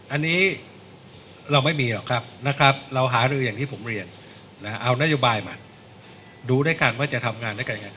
อันนี้เราไม่มีหรอกครับนะครับเราหารืออย่างที่ผมเรียนเอานโยบายมาดูด้วยกันว่าจะทำงานด้วยกันยังไง